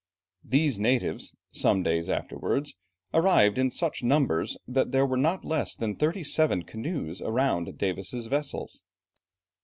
These natives, some days afterwards, arrived in such numbers, that there were not less than thirty seven canoes around Davis' vessels.